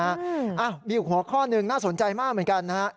อ้าวมีอีกหัวข้อหนึ่งน่าสนใจมากเหมือนกันนะฮะ